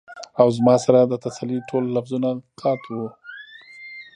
او زما سره د تسلۍ ټول لفظونه قات وو ـ